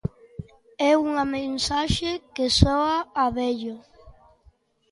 É unha mensaxe que soa a vello.